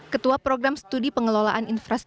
ketua program studi pengelolaan infrastruktur